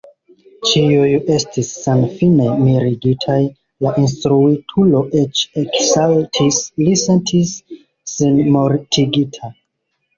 Ĉiuj estis senfine mirigitaj, la instruitulo eĉ eksaltis; li sentis sin mortigita!